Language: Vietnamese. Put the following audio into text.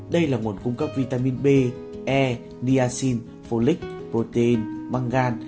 đây là nguồn cung cấp vitamin b e niacin folic protein măng gan